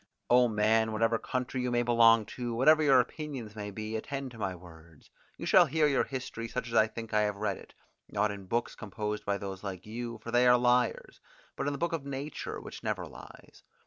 O man, whatever country you may belong to, whatever your opinions may be, attend to my words; you shall hear your history such as I think I have read it, not in books composed by those like you, for they are liars, but in the book of nature which never lies.